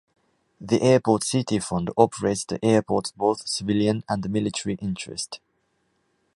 The Airport City Fund operates the airport's both civilian and military interest.